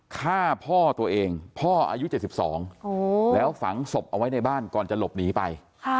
ฆ่าพ่อตัวเองพ่ออายุ๗๒แล้วฝังศพเอาไว้ในบ้านก่อนจะหลบหนีไป